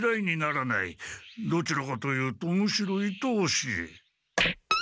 どちらかと言うとむしろいとおしい。